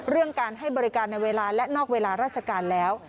เรื่องการให้บริการในเวลาและนอกเวลาราชการแล้ว